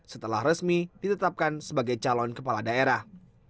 setelah resmi ditetapkan sebagai calon kepala daerah